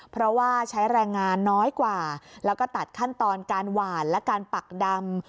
เพราะว่าใช้แรงงานน้อยกว่าแล้วก็ตัดขั้นตอนการหวานและการปักดำ